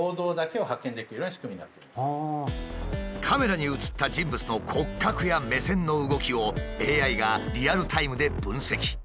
カメラに映った人物の骨格や目線の動きをＡＩがリアルタイムで分析。